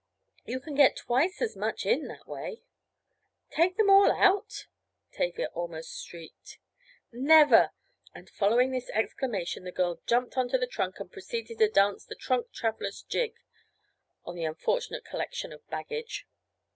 You can get twice as much in that way." "Take them all out!" Tavia almost shrieked. "Never!" And, following this exclamation the girl jumped into the trunk and proceeded to dance the "trunk traveler's jig" on the unfortunate collection of baggage.